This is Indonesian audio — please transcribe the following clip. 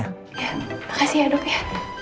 ya makasih ya dok ya